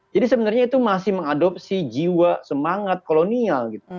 jadi sebenarnya itu masih mengadopsi jiwa semangat kolonial gitu